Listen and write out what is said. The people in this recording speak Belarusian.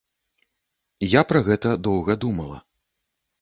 Я пра гэта доўга думала.